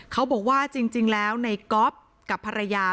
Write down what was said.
เขาบอกว่าจริงแล้วในก๊อฟกับภรรยา